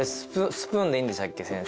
スプーンでいいんでしたっけ先生。